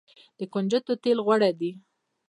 د کنجدو تیل غوره دي.